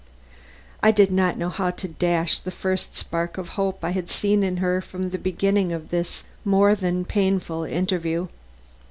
I did not know how to dash the first spark of hope I had seen in her from the beginning of this more than painful interview.